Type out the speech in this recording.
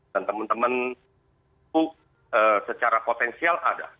dan temen temen itu secara potensial ada